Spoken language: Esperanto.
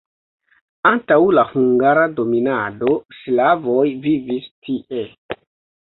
Antaŭ la hungara dominado slavoj vivis tie.